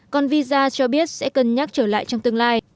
còn visa cho biết sẽ cân nhắc trở lại trong tương lai